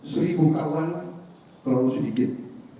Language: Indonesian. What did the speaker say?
seribu kamar terlalu sedikit